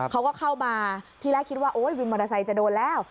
เขาก็เข้ามาที่แรกคิดว่าโอ๊ยวินมอเตอร์ไซค์จะโดนแล้ว